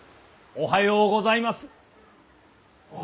おはようございます。